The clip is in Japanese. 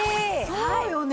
そうよね。